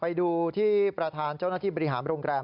ไปดูที่ประธานเจ้าหน้าที่บริหารโรงแรม